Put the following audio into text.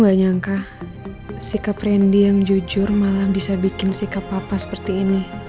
gak nyangka sikap randy yang jujur malah bisa bikin sikap apa seperti ini